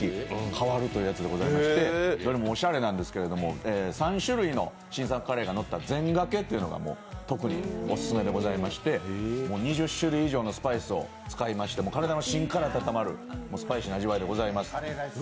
変わるというやつでございましてどれもおしゃれなんですけど３種類の新作カレーがのった全がけというのが特にオススメでございまして２０種類以上のスパイスを使って体の芯から温まるスパイシーな味わいでございます。